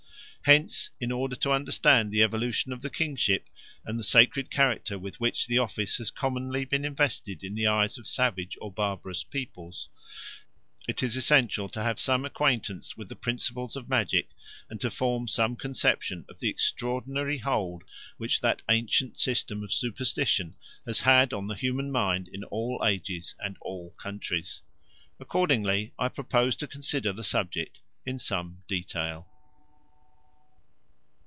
Hence in order to understand the evolution of the kingship and the sacred character with which the office has commonly been invested in the eyes of savage or barbarous peoples, it is essential to have some acquaintance with the principles of magic and to form some conception of the extraordinary hold which that ancient system of superstition has had on the human mind in all ages and all countries. Accordingly I propose to consider the subject in some detail.